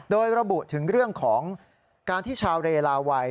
โดยระบุถึงเรื่องของการที่ชาวเรลาวัย